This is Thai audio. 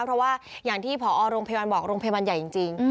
เพราะว่าอย่างที่ผอโรงพยาบาลบอกโรงพยาบาลใหญ่จริง